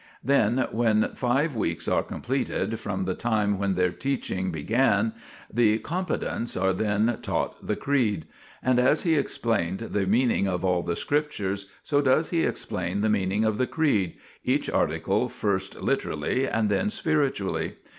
Then when five weeks are completed from the time when their teaching began, (the Competents) are then taught the Creed. 1 And as he explained the meaning of all the Scriptures, so does he explain the meaning of the Creed ; each article first literally and then spiritually.